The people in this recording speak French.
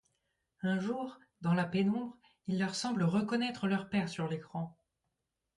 Un jour, dans la pénombre, ils leur semblent reconnaître leur père sur l'écran.